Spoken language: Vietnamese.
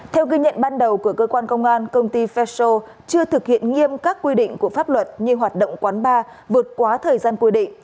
theo ghi nhận ban đầu của cơ quan công an công ty feso chưa thực hiện nghiêm các quy định của pháp luật như hoạt động quán bar vượt quá thời gian quy định